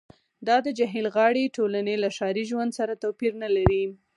دا د جهیل غاړې ټولنې له ښاري ژوند سره توپیر نلري